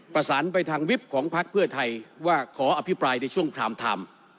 ประสานไปทางวิบของพักเพื่อไทยว่าขออภิปรายในช่วงไทม์ไทม์